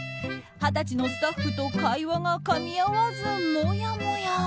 二十歳のスタッフと会話がかみ合わず、もやもや。